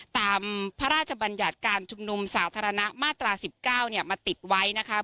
ตามพระราชบัญญาติการชุมนุมศาสนมทรมาตรา๑๙